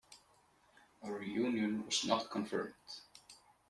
A reunion was not confirmed.